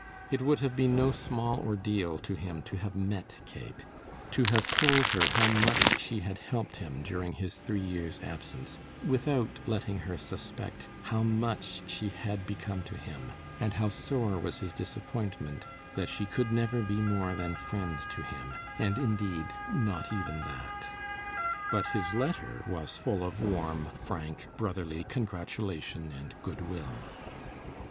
It would have been no small ordeal to him to have met Kate, to have told her how she had helped him during his three years' absence, without letting her suspect how much she had become to him, and how sore was his disappointment that she could never be more than friend to him, and indeed, not even that. But his letter was full of warm, frank, brotherly congratulation and good will.